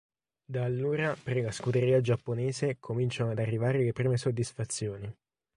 Da allora per la scuderia giapponese cominciano ad arrivare le prime soddisfazioni.